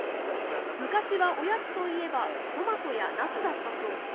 昔はおやつといえばトマトやナスだったそう。